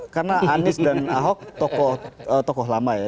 karena anies dan ahok tokoh lama ya